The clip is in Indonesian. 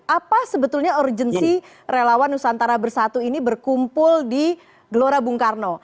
apa sebetulnya urgensi relawan nusantara bersatu ini berkumpul di gelora bung karno